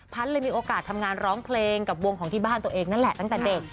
เลยมีโอกาสทำงานร้องเพลงกับวงของที่บ้านตัวเองนั่นแหละตั้งแต่เด็ก